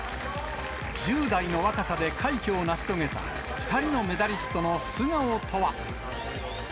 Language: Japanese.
１０代の若さで快挙を成し遂げた２人のメダリストの素顔とは。